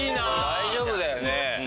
大丈夫だよね？